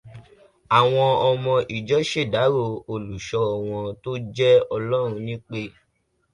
Àwọn ọmọ ìjọ ṣèdárò olùṣọ́ wọn tó jẹ́ ọlọ́run nípè.